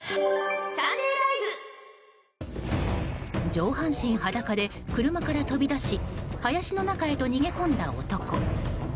上半身裸で車から飛び出し林の中へと逃げ込んだ男。